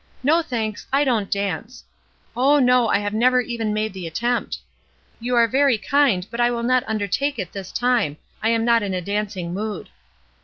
*No, thanks, I don't dance.' *0h, no, I have never even made an attempt.' 'You are very kind, but I will not undertake it this time; lam not in a dancing mood.'